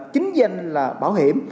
chính danh là bảo hiểm